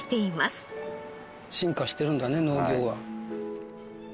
進化してるんだね農業は。